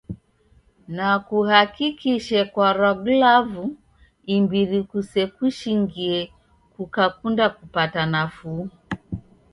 Na kuhakikishe kwarwa glavu imbiri kusekushingie kukakunda kupata nafuu.